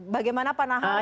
bagaimana pak nahar